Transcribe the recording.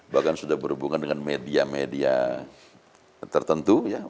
bahkan sudah berhubungan dengan media media tertentu ya